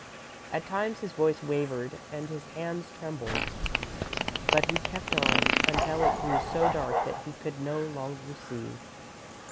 At times his voice wavered and his hands trembled, but he kept on, until it grew so dark that he could no longer see.